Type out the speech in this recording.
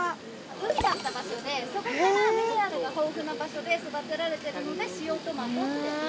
海だった場所でそこからミネラルが豊富な場所で育てられてるので「塩とまと」って。